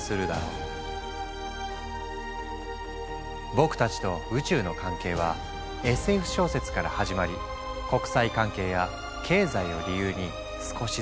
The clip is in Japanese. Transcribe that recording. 僕たちと宇宙の関係はＳＦ小説から始まり国際関係や経済を理由に少しずつ近づいてきた。